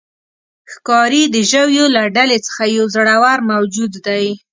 ښکاري د ژویو له ډلې څخه یو زړور موجود دی.